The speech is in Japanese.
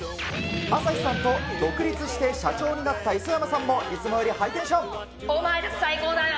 朝日さんと独立して社長になった磯山さんもいつもよりハイテンシお前ら最高だよ。